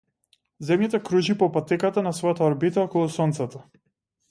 Земјата кружи по патеката на својата орбита околу сонцето.